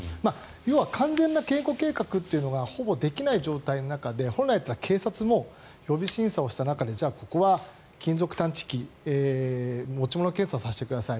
要は完全な警護計画というのがほぼできない状況の中で本来は警察も予備審査をした中でじゃあここは金属探知機持ち物検査をさせてください